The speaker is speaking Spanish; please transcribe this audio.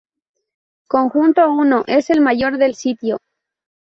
Conjunto I es el mayor del sitio.